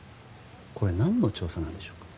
これ何の調査なんでしょうか？